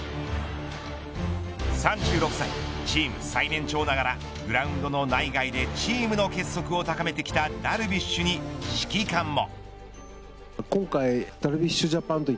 ３６歳、チーム最年長ながらグラウンドの内外でチームの結束を高めてきたダルビッシュに指揮官も。